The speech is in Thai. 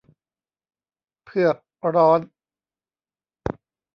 เผือกร้อน